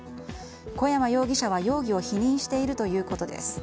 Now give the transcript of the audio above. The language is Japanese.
小山容疑者は容疑を否認しているということです。